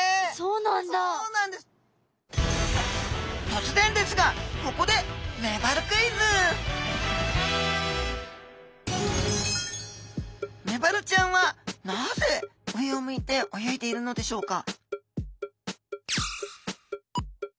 とつぜんですがここでメバルちゃんはなぜ上を向いて泳いでいるのでしょうか？